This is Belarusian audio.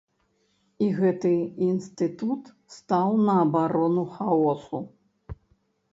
І гэты інстытут стаў на абарону хаосу!